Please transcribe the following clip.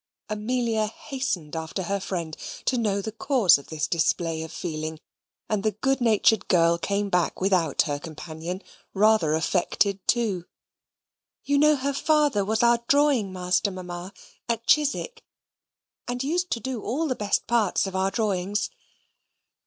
Amelia hastened after her friend to know the cause of this display of feeling, and the good natured girl came back without her companion, rather affected too. "You know, her father was our drawing master, Mamma, at Chiswick, and used to do all the best parts of our drawings."